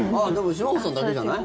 島本さんだけじゃない？